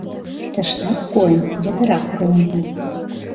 Тыштат куэм ятырак руымо.